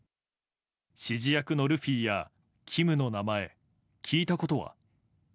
指示役のルフィやキムの名前、聞いたことは？